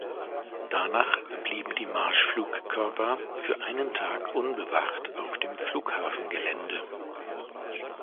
Danach blieben die Marschflugkörper für einen Tag unbewacht auf dem Flughafengelände.